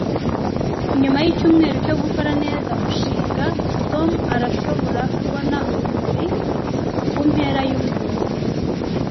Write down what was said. Nyuma yicyumweru cyo gukora neza umushinga, Tom arashobora kubona urumuri kumpera yumurongo.